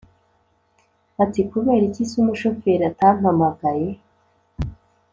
ati”kubera iki se umushoferi atampamagaye?”